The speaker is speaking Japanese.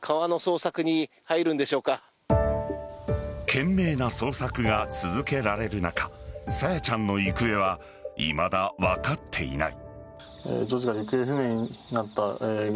懸命の捜索が続けられる中朝芽ちゃんの行方はいまだ分かっていない。